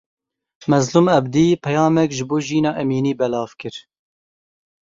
Mazlûm Ebdî peyamek ji bo Jîna Emînî belav kir.